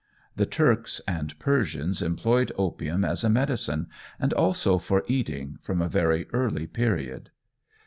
The Turks and Persians employed opium as a medicine, and also for eating, from a very early period.